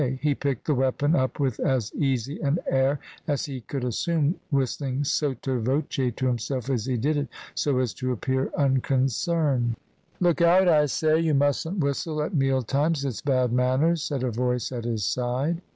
He picked the weapon up with as easy an air as he could assume, whistling sotto voce to himself as he did it, so as to appear unconcerned. "Look out, I say; you mustn't whistle at meal times, it's bad manners," said a voice at his side.